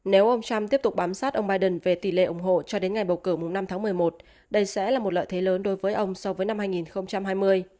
nếu ông trump tiếp tục bám sát ông biden về tỷ lệ ủng hộ cho đến ngày bầu cử năm tháng một mươi một đây sẽ là một lợi thế lớn đối với ông so với năm hai nghìn hai mươi